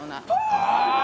ああ！